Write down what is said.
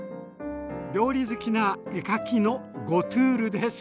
料理好きな絵描きのゴトゥールです。